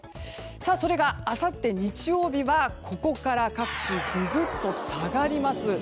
それがあさって日曜日はここから各地ググっと下がります。